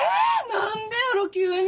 なんでやろ急に！